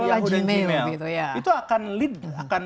yahoo dan gmail itu akan